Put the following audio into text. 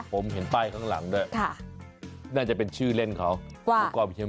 ผมเห็นป้ายข้างหลังด้วยน่าจะเป็นชื่อเล่นเขาหมูกรอบเฮมิง